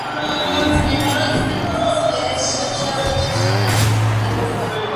Sin embargo, existen otras posibilidades sintácticas donde es aplicable el caso dativo.